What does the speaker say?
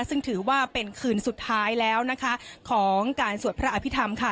ซึ่งถือว่าเป็นคืนสุดท้ายแล้วนะคะของการสวดพระอภิษฐรรมค่ะ